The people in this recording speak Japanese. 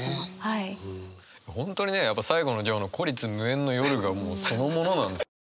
本当にね最後の行の「孤立無援の夜」がもうそのものなんですよね。